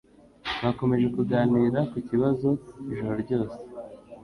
Twakomeje kuganira ku kibazo ijoro ryose.